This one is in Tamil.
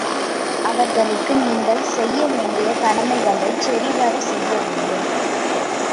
அவர்களுக்கு நீங்கள் செய்ய வேண்டிய கடமைகளைச் சரிவரச் செய்ய வேண்டும்.